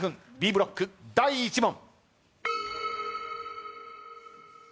Ｂブロック第１問。